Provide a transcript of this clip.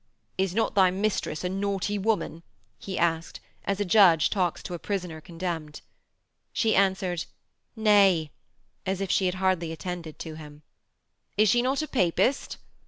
'Is not thy mistress a naughty woman?' he asked, as a judge talks to a prisoner condemned. She answered, 'Nay,' as if she had hardly attended to him. 'Is she not a Papist?'